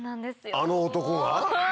あの男が？